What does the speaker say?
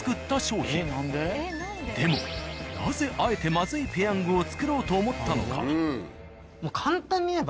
でもなぜあえてまずいペヤングを作ろうと思ったのか？